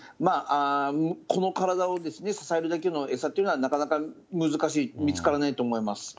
この体を支えるだけの餌というのは、なかなか難しい、見つからないと思います。